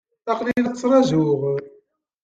Aql-iyi la t-ttṛajuɣ.